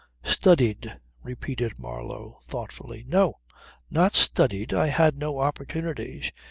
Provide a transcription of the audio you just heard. "Studied," repeated Marlow thoughtfully. "No! Not studied. I had no opportunities.